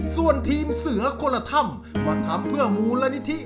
ส่วนทีมเสือกละท่ำวันทำเพื่อหมูลณิธิ